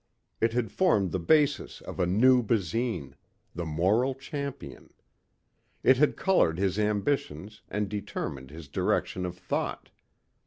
It had formed the basis of a new Basine the moral champion. It had colored his ambitions and determined his direction of thought.